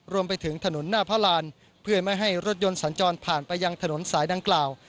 รวมไปถึงถนนหน้าพระรานเพื่อไม่ให้รถยนต์สัญจรผ่านไปยังถนนสายดังกล่าว